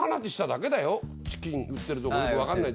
チキン売ってるとこよくわかんない。